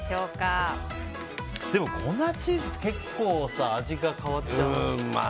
でも、粉チーズって結構味が変わっちゃう。